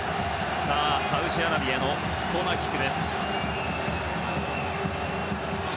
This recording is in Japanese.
サウジアラビアのコーナーキックです。